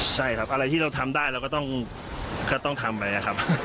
ใช่ครับอะไรที่เราทำได้เราก็ต้องทำไปครับ